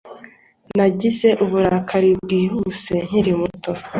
Nagize uburakari bwihuse nkiri muto